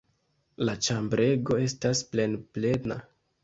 La ĉambrego estas plenplena.